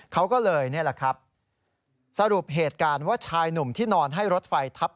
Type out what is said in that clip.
เขาก็เลยนี่แหละครับสรุปเหตุการณ์ว่าชายหนุ่มที่นอนให้รถไฟทับ